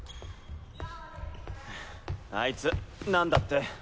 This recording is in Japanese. あいつ何だって？